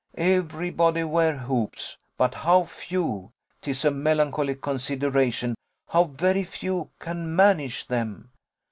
Every body wears hoops, but how few 'tis a melancholy consideration how very few can manage them!